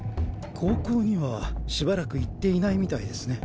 高校にはしばらく行っていないみたいですね。